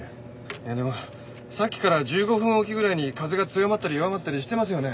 いやでもさっきから１５分置きぐらいに風が強まったり弱まったりしてますよね？